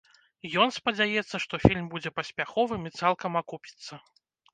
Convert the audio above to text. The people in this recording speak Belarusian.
Ён спадзяецца, што фільм будзе паспяховым і цалкам акупіцца.